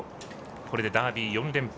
これでダービー４連覇。